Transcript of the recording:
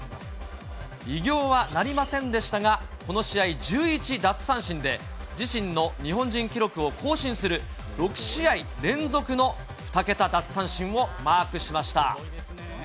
偉業はなりませんでしたが、この試合１１奪三振で、自身の日本人記録を更新する、６試合連続の２桁奪三振をマークしました。